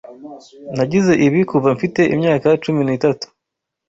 Nagize ibi kuva mfite imyaka cumi n'itatu.